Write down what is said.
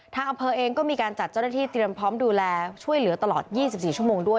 ทางอำเภอเองก็มีการจัดเจ้าหน้าที่เตรียมพร้อมดูแลช่วยเหลือตลอด๒๔ชั่วโมงด้วย